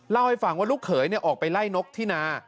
เล่าให้ฟังว่าลูกเขยออกไปไล่นกที่นา